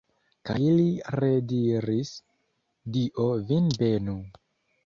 Kaj ili rediris: Dio vin benu!